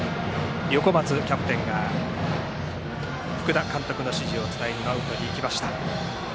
横松キャプテンが福田監督の指示を伝えにマウンドに行きました。